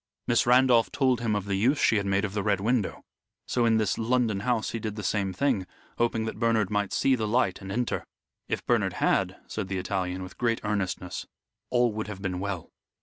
Miss Randolph told him of the use she had made of the Red Window, so in this London house he did the same thing, hoping that Bernard might see the light and enter. If Bernard had," said the Italian, with great earnestness, "all would have been well."